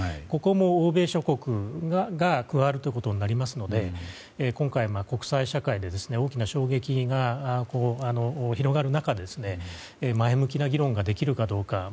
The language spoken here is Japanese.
ここも、欧米諸国が加わることになりますので今回、国際社会で大きな衝撃が広がる中で前向きな議論ができるかどうか。